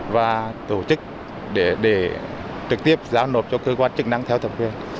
và tổ chức để trực tiếp giáo nộp cho cơ quan chức năng theo thẩm quyền